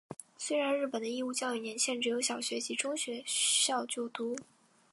虽然日本的义务教育年限只有小学及中学校就读。